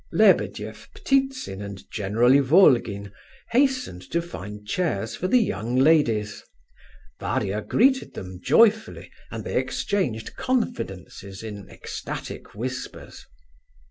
Lebedeff, Ptitsin, and General Ivolgin hastened to find chairs for the young ladies. Varia greeted them joyfully, and they exchanged confidences in ecstatic whispers.